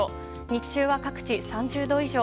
日中は各地３０度以上。